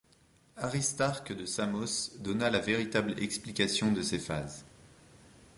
Aristarque de Samos donna la véritable explication de ses phases.